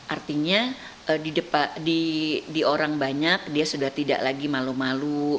artinya di orang banyak dia sudah tidak lagi malu malu